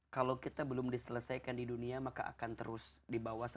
beritahu saja jangan kemana mana